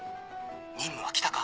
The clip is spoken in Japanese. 任務は来たか？